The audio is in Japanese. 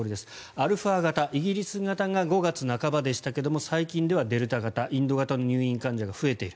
アルファ型、イギリス型が５月半ばでしたが最近ではデルタ型インド型の入院患者が増えている。